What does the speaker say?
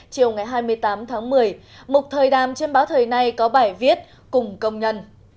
chiều ngày hai mươi tám tháng một mươi mục thời đàm trên báo thời nay có bài viết cùng công nhân